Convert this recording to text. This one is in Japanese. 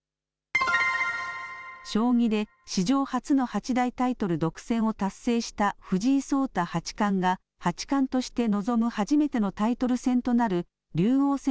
将棋で史上初の八大タイトル独占を達成した藤井聡太八冠が八冠として臨む初めてのタイトル戦となる竜王戦